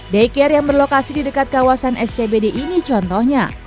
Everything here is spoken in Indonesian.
daycare yang berlokasi di dekat kawasan scbd ini contohnya